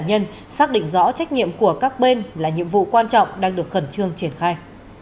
đoàn công tác định rõ trách nhiệm của các bên là nhiệm vụ quan trọng đang được khẩn trương triển khai